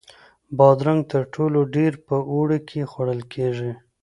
بادرنګ تر ټولو ډېر په اوړي کې خوړل کېږي.